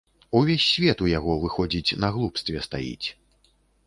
Увесь свет у яго, выходзіць, на глупстве стаіць.